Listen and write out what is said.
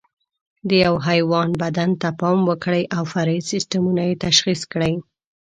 د یوه حیوان بدن ته پام وکړئ او فرعي سیسټمونه یې تشخیص کړئ.